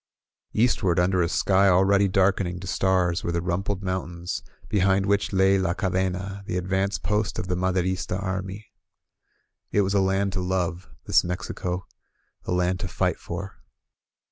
••• Eastward, imder a sky ulready darkening to stars, were the rumpled mountains behind which lay La Ca dena, the advance post of the Maderista army. It was a land to love — this Mexico — a land to fight for.